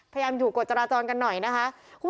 พยายามอยู่กฎจราจรกันหน่อยนะคะ